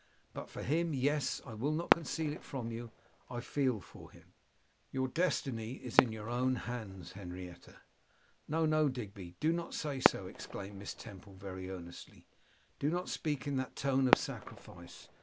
But for him, yes! I will not conceal it from you, I feel for him.' 'Your destiny is in your own hands, Henrietta.' 'No, no, Digby; do not say so,' exclaimed Miss Temple, very earnestly; 'do not speak in that tone of sacrifice.